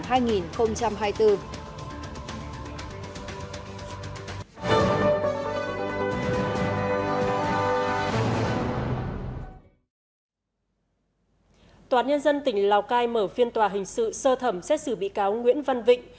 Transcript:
tòa án nhân dân tỉnh lào cai mở phiên tòa hình sự sơ thẩm xét xử bị cáo nguyễn văn vịnh